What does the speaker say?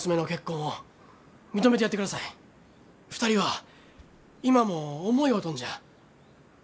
２人は今も思い合うとんじゃ。